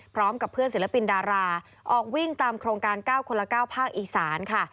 พร้อมกับเพื่อนศิลปินดาราออกวิ่งตามโครงการ๙คนละ๙ภาคอีสานค่ะ